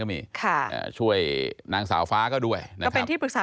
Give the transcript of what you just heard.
ก็ไม่รู้ว่าฟ้าจะระแวงพอพานหรือเปล่า